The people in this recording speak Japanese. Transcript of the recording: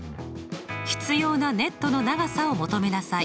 必要なネットの長さを求めなさい。